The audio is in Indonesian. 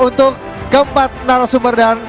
untuk keempat narasumber dan